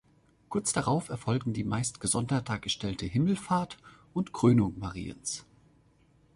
Kurz darauf erfolgen die meist gesondert dargestellte Himmelfahrt und Krönung Mariens.